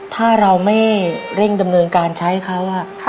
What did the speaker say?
ถ้าเราไม่เร่งดำเนินการใช้เขา